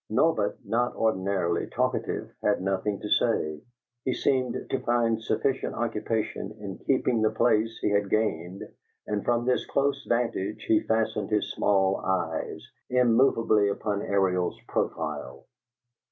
Norbert, not ordinarily talkative, had nothing to say; he seemed to find sufficient occupation in keeping the place he had gained; and from this close vantage he fastened his small eyes immovably upon Ariel's profile.